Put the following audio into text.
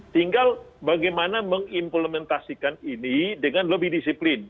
tinggal bagaimana mengimplementasikan ini dengan lebih disiplin